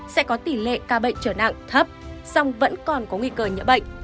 sẽ có tỷ lệ ca bệnh trở nặng thấp